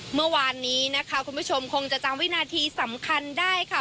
เมื่อวานนี้นะคะคุณผู้ชมคงจะจำวินาทีสำคัญได้ค่ะ